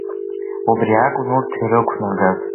Убри акәын урҭ ирықәнагаз.